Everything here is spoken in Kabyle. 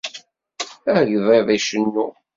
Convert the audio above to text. Agḍiḍ icennu